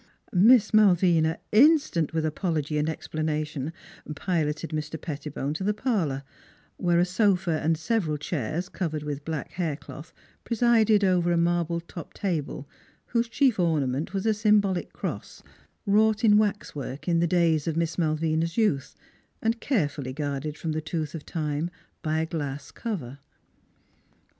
Miss Malvina, instant with apology and ex planation, piloted Mr. Pettibone to the parlor, where a sofa and several chairs covered with black hair cloth presided over a marble topped table whose chief ornament was a symbolic cross, wrought in waxwork in the days of Miss Malvi na's youth and carefully guarded from the tooth of time by a glass cover.